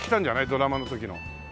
ドラマの時の。